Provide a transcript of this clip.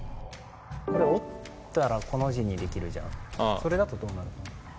これ折ったらコの字にできるじゃんそれだとどうなる？